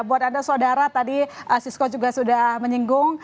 buat anda saudara tadi sisko juga sudah menyinggung